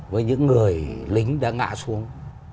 với những người lính đã ngạ xuống